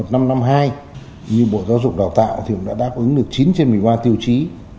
như bộ giáo dục và đào tạo thì cũng đã đáp ứng được chín trên một mươi ba tiêu chí